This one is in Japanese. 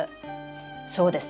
そうですね